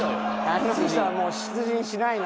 あの人はもう出陣しないの。